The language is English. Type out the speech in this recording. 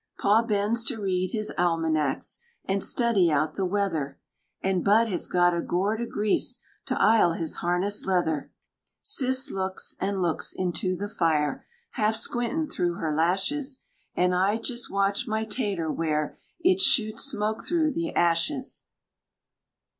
Paw bends to read his almanax An' study out the weather, An' bud has got a gourd o' grease To ile his harness leather. Sis looks an' looks into the fire, Half squintin' through her lashes, An' I jis watch my tater where It shoots smoke through the ashes.